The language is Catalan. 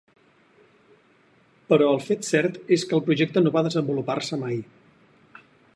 Però el fet cert és que el projecte no va desenvolupar-se mai.